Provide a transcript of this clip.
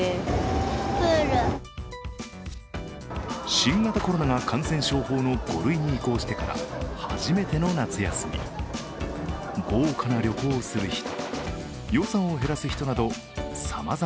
新型コロナが感染症法の５類に移行してから初めての夏休み新たな動画を入手しました。